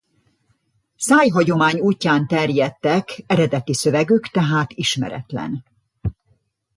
Szájhagyomány útján terjedtek eredeti szövegük tehát ismeretlen.